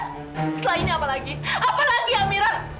selain ini apa lagi apa lagi amyra